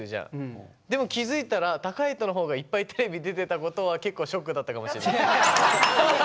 でも気付いたらたかいとのほうがいっぱいテレビ出てたことは結構ショックだったかもしれない。